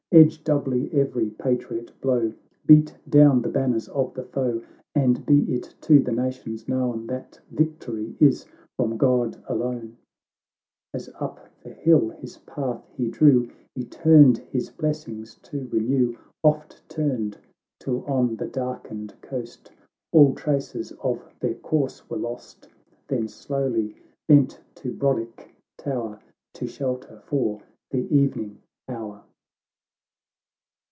Edge doubly every patriot blow ! Beat down the banners of the foe ! And be it to the Nations known, That Victory is from God alone !"— 630 THE LOKD OF THE ISLES. [ CANTO V As up the hill his path be drew, He turned his blessings to renew, Oft turned, till on the darkened coast All traces of their course were lost ; Then slowly bent to Brodick tower, To shelter for the evening hour.